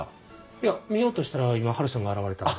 いや見ようとしたら今ハルさんが現れたんで。